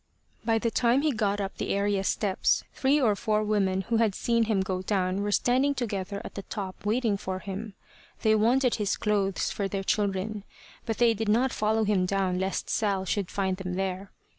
By the time he got up the area steps, three or four women who had seen him go down were standing together at the top waiting for him. They wanted his clothes for their children; but they did not follow him down lest Sal should find them there.